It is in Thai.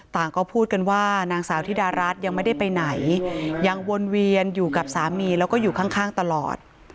ก็พูดกันว่านางสาวธิดารัฐยังไม่ได้ไปไหนยังวนเวียนอยู่กับสามีแล้วก็อยู่ข้างตลอด